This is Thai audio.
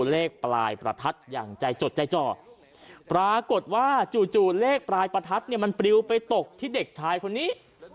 เลขปลายประทัดอย่างใจจดใจจ่อปรากฏว่าจู่เลขปลายประทัดเนี่ยมันปลิวไปตกที่เด็กชายคนนี้